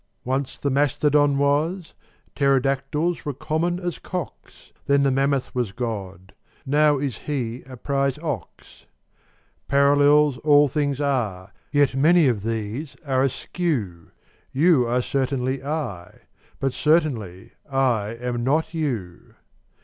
Once the mastodon was: pterodactyls were common as cocks: Then the mammoth was God: now is He a prize ox. Parallels all things are: yet many of these are askew: You are certainly I: but certainly I am not you.